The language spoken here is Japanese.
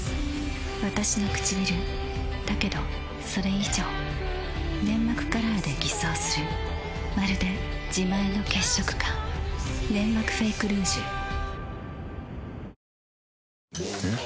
わたしのくちびるだけどそれ以上粘膜カラーで偽装するまるで自前の血色感「ネンマクフェイクルージュ」んっ？